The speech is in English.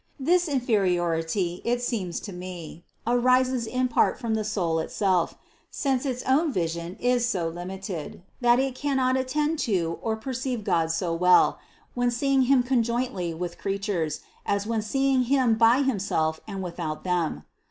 This inferiority, it seems to me, arises in part from the soul itself; since its own vision is so limited, that it cannot attend to or perceive God so well, when seeing Him conjointly with creatures, as when seeing Him by Himself and without them.